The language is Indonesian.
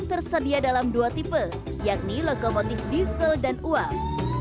tersedia dalam dua tipe yakni lokomotif diesel dan uang